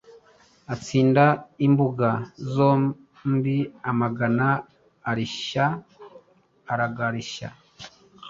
Atsinda imbuga zomb Amagana arishya aragarishya.